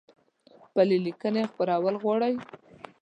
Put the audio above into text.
خپلي لیکنۍ خپرول غواړی؟